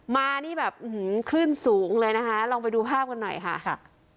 มานี่แบบคลื่นสูงเลยนะคะลองไปดูภาพกันหน่อยค่ะค่ะ